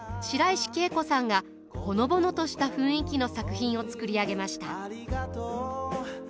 白石慶子さんがほのぼのとした雰囲気の作品を作り上げました。